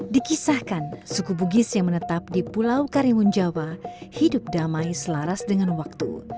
dikisahkan suku bugis yang menetap di pulau karimun jawa hidup damai selaras dengan waktu